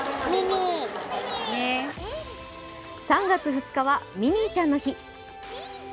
３月２日はミニーちゃんの日。